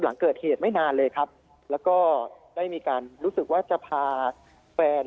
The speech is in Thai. หลังเกิดเหตุไม่นานเลยครับแล้วก็ได้มีการรู้สึกว่าจะพาแฟน